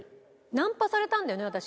ナンパされたんだよね私。